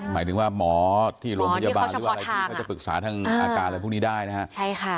หมายถึงว่าหมอที่โรงพยาบาลเขาจะปรึกษาทั้งอาการอะไรพวกนี้ได้นะฮะใช่ค่ะ